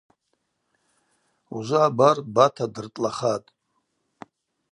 Ужвы абар Бата дыртӏлахатӏ.